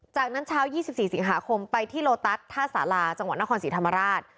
จากนั้นเช้า๒๔สิงหาคมไปที่โลตัสท่าสารา